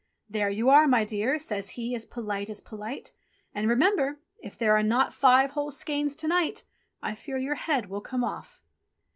"There you are, my dear," says he as polite as polite. "And remember ! if there are not five whole skeins to night, I fear your head will come off